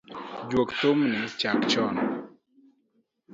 Juog thum ni chaka chon.